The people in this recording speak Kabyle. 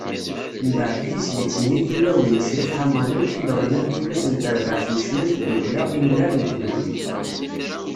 Mbeɛd, tizlit-nni “Tulawin” n Crif Ḥamani, i d-ɣennant tullas n terbaɛt n ccna n Tdukkkla Imnar n Tdukli.